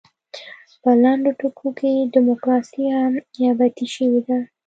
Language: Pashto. په لنډو ټکو کې ډیموکراسي هم نیابتي شوې ده.